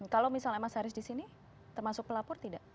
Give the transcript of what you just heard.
kalau misalnya mas haris di sini termasuk pelapor tidak